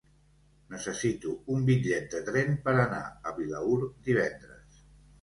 Necessito un bitllet de tren per anar a Vilaür divendres.